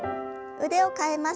腕を替えます。